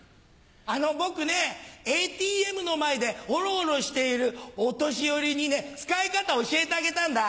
あの僕ねＡＴＭの前でオロオロしているお年寄りにね使い方教えてあげたんだ。